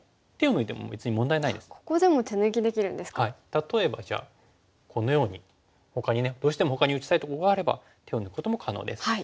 例えばじゃあこのようにほかにどうしてもほかに打ちたいとこがあれば手を抜くことも可能です。